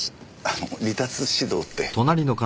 あの離脱指導って？